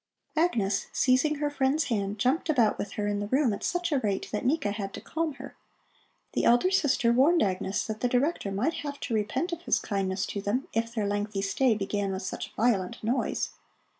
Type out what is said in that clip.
Agnes, seizing her friend's hand, jumped about with her in the room at such a rate that Nika had to calm her. The elder sister warned Agnes that the Director might have to repent of his kindness to them if their lengthy stay began with such violent noise.